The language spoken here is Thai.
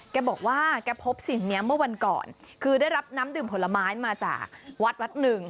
แกบอกว่าแกพบสิ่งนี้เมื่อวันก่อนคือได้รับน้ำดื่มผลไม้มาจากวัดวัดหนึ่ง